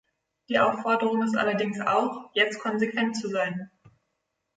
Die Aufforderung ist allerdings auch, jetzt konsequent zu sein.